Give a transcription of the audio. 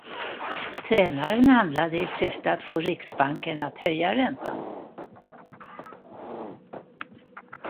Tränaren handlade i syfte att få riksbanken att höja räntan.